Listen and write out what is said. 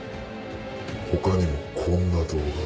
他にもこんな動画が。